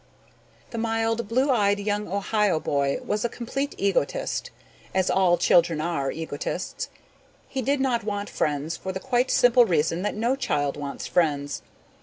The mild, blue eyed young Ohio boy was a complete egotist, as all children are egotists. He did not want friends for the quite simple reason that no child wants friends.